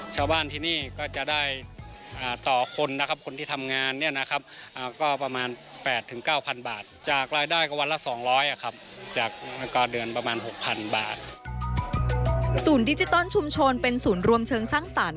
ส่วนดิจิทัลชุมชนเป็นศูนย์รวมเชิงสร้างสรรค์